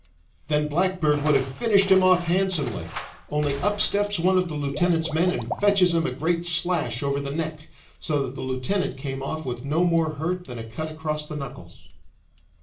Then Blackbeard would have finished him off handsomely, only up steps one of the lieutenant's men and fetches him a great slash over the neck, so that the lieutenant came off with no more hurt than a cut across the knuckles.